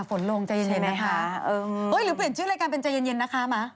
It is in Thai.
ฝนลงใจเย็นนะคะหรือเปลี่ยนชื่อรายการเป็นใจเย็นนะคะมา